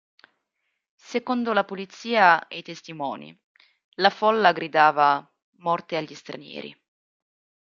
Secondo la polizia e i testimoni la folla gridava "morte agli stranieri!